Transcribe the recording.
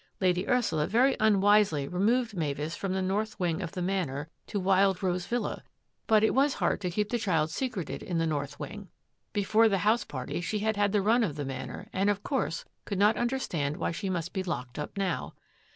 Lady Ursula very unwisely removed Mavis from the north wing of the Manor to Wild Rose Villa, but it was hard to keep the child secreted in the north wing — before the house party she had had the run of the Manor and of course could not understand why she must be locked up now.